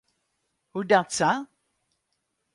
Hoedatsa?